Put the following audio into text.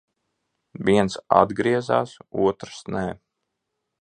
Viens atgriezās, otrs ne.